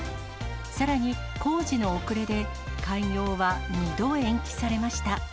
さらに工事の遅れで、開業は２度延期されました。